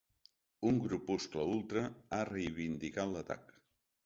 Un grupuscle ultra ha reivindicat l'atac.